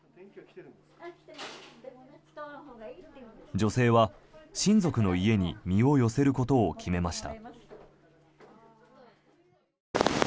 女性は、親族の家に身を寄せることを決めました。